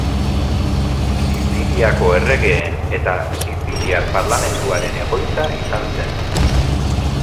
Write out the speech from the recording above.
Siziliako erregeen eta Siziliar Parlamentuaren egoitza izan zen.